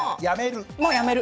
もうやめる。